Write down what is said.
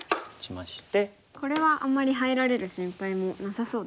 これはあんまり入られる心配もなさそうですね。